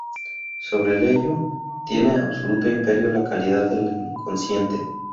Sobre el ello tiene absoluto imperio la cualidad de lo inconsciente.